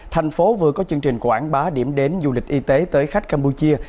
thành phố vừa có chương trình quảng bá điểm đến du lịch y tế tới khách campuchia